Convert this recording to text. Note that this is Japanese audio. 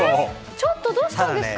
ちょっと、どうしたんですか？